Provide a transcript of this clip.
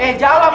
eh jawab dong